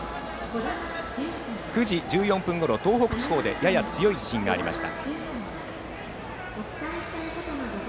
９時１４分ごろ、東北地方でやや強い地震がありました。